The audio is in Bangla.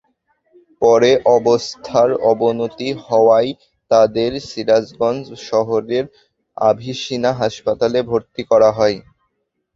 পরে অবস্থার অবনতি হওয়ায় তাঁদের সিরাজগঞ্জ শহরের আভিসিনা হাসপাতালে ভর্তি করা হয়।